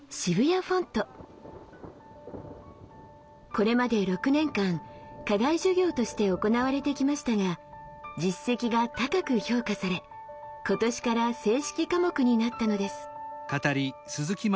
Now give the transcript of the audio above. これまで６年間課外授業として行われてきましたが実績が高く評価され今年から正式科目になったのです。